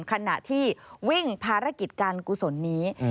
ขณะที่วิ่งภารกิจการกุศลนี้